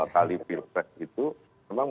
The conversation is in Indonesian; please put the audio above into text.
kali pilpres itu memang